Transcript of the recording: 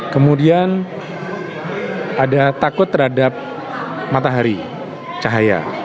kemudian ada takut terhadap matahari cahaya